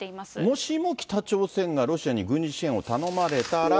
もしも北朝鮮がロシアに軍事支援を頼まれたら。